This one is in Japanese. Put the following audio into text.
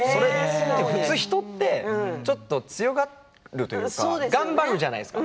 普通、人ってちょっと強がるというか頑張るじゃないですか。